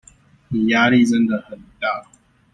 你壓力真的很大